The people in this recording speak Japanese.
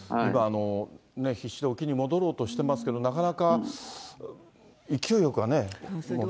必死で沖に戻ろうとしていますけれども、なかなか勢いよくはね、戻れないですね。